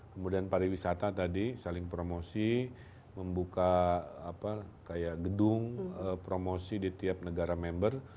kemudian pariwisata tadi saling promosi membuka gedung promosi di tiap negara member